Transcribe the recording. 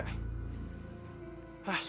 belum tentu bisa diterima dengan baik juga